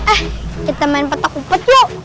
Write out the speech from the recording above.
eh kita main petak upet yuk